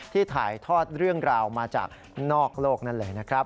ถ่ายทอดเรื่องราวมาจากนอกโลกนั้นเลยนะครับ